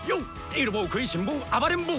イル坊食いしん坊暴れん坊！